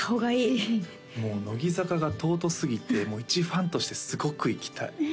ぜひもう乃木坂が尊すぎて一ファンとしてすごく行きたいえ！